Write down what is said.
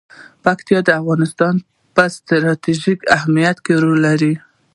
پکتیکا د افغانستان په ستراتیژیک اهمیت کې رول لري.